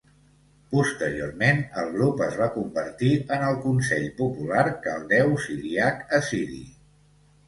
Posteriorment el grup es va convertir en el Consell Popular Caldeu-Siríac-Assiri.